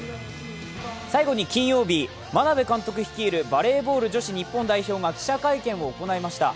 最後に金曜日、真鍋監督率いるバレーボール女子日本代表が記者会見を行いました。